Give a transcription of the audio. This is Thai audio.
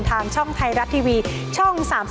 ทางช่องไทยรัฐทีวีช่อง๓๒